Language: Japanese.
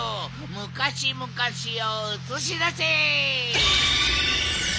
むかしむかしをうつしだせ。